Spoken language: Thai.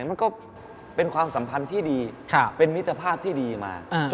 มันก็เป็นความสัมพันธ์ที่ดีเป็นมิตรภาพที่ดีมา